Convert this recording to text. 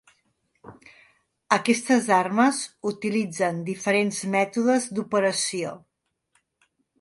Aquestes armes utilitzen diferents mètodes d'operació.